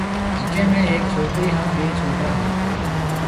جڪو ۾ هيَڪ ڇوڪرِي هانَ ٻي ڇوڪرا هيَ۔